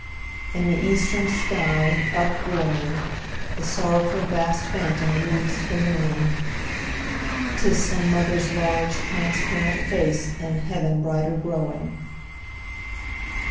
7In the eastern sky up buoying, The sorrowful vast phantom moves illumin'd;('Tis some mother's large, transparent face, In heaven brighter growing.)